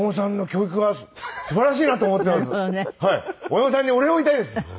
親御さんにお礼を言いたいです。